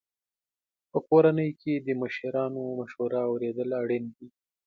په کورنۍ کې د مشرانو مشوره اورېدل اړین دي.